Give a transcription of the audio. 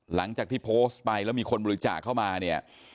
หลังจากที่โพสต์ไปแล้วมีคนบริจาคเข้ามาเนี่ย